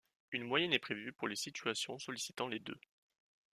Une moyenne est prévue pour les situations sollicitant les deux.